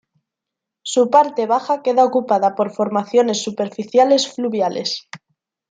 Su parte baja queda ocupada por formaciones superficiales fluviales.